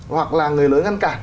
hoặc là người lớn ngăn cản